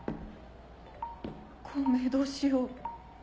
孔明どうしよう。